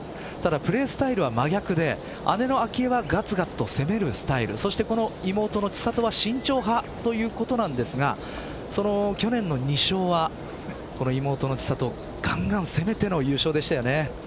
プレースタイルは真逆で姉の明愛はがつがつと攻めるスタイル妹の千怜は慎重派ということなんですがその去年の２勝は妹の千怜、がんがん攻めての優勝でしたよね。